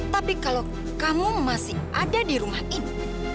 tapi kalau kamu masih ada di rumah ini